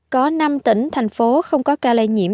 có năm tỉnh thành phố không có ca lây nhiễm